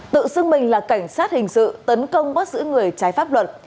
tự xưng mình là cảnh sát hình sự tấn công bắt giữ người trái pháp luật